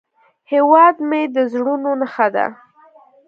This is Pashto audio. هیواد مې د زړونو نخښه ده